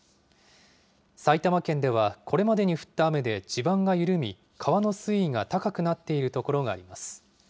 埼玉県ではこれまでに降った雨で地盤が緩み、川の水位が高くなっている所があります。